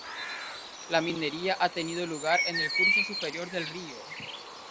La minería ha tenido lugar en el curso superior del río.